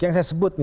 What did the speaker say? yang saya sebut